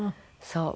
そう。